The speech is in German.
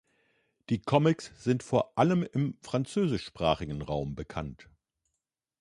Die Comics sind vor allem im französischsprachigen Raum bekannt.